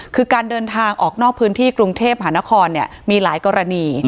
คือการเดินทางออกนอกพื้นที่กรุงเทพหานครมีหลายกรณี